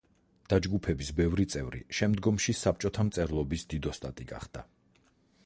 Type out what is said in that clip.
დაჯგუფების ბევრი წევრი შემდგომში საბჭოთა მწერლობის დიდოსტატი გახდა.